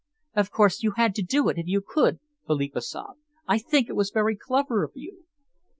"Of course you had to do it if you could," Philippa sobbed. "I think it was very clever of you."